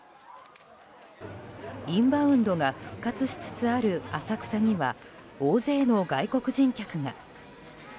インバウンドが復活しつつある浅草には大勢の外国人客が。